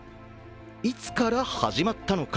いつから始まったのか。